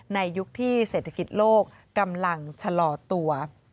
ยุคที่เศรษฐกิจโลกกำลังชะลอตัว